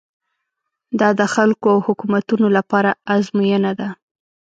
دا د خلکو او حکومتونو لپاره ازموینه ده.